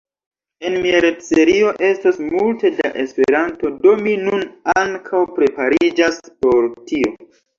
En mia retserio estos multe da Esperanto, do mi nun ankaŭ prepariĝas por tio.